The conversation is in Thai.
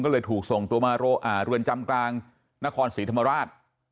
ก็เลยถูกส่งตัวมาเรือนจำกลางนครศรีธรรมราช